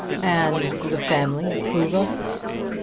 "And the family approve of it?"